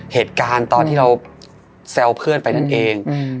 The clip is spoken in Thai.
เหตุการณ์ตอนที่เราแซวเพื่อนไปนั่นเอง